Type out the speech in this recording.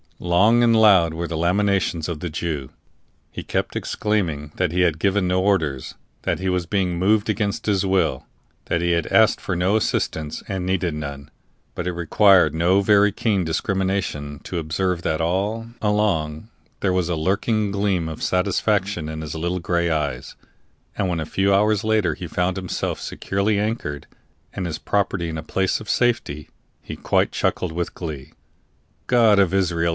Long and loud were the lamentations of the Jew. He kept exclaiming that he had given no orders, that he was being moved against his will, that he had asked for no assistance, and needed none; but it required no very keen discrimination to observe that all along there was a lurking gleam of satisfaction in his little gray eyes, and when, a few hours later, he found himself securely anchored, and his property in a place of safety, he quite chuckled with glee. "God of Israel!"